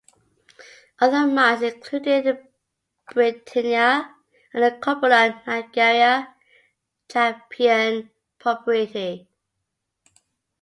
Other mines included the "Britannia" and the "Cumberland Niagara Champion Proprietary".